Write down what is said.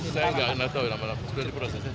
saya nggak tahu nama nama sudah di proses